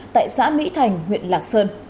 tại xã mỹ thành huyện lạc sơn